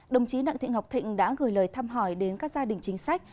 đồng chí đặng thị ngọc thịnh đã gửi lời thăm hỏi đến các gia đình chính sách